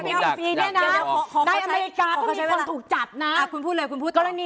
คือเราควรที่จะอยู่บนพื้นฐาน